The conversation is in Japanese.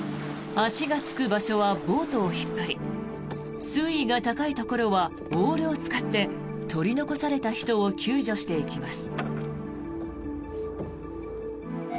足がつく場所はボートを引っ張り水位が高いところはオールを使って取り残された人を救助していきます。